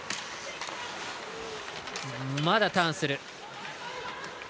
まだターンする。